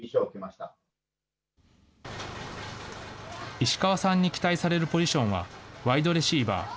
石川さんに期待されるポジションは、ワイドレシーバー。